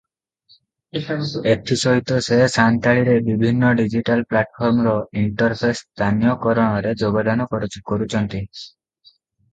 ଏଥିସହିତ ସେ ସାନ୍ତାଳୀରେ ବିଭିନ୍ନ ଡିଜିଟାଲ ପ୍ଲାଟଫର୍ମର ଇଣ୍ଟରଫେସ ସ୍ଥାନୀୟକରଣରେ ଯୋଗଦାନ କରୁଛନ୍ତି ।